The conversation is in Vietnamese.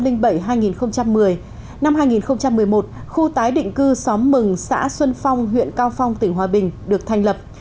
năm hai nghìn một mươi một khu tái định cư xóm mừng xã xuân phong huyện cao phong tỉnh hòa bình được thành lập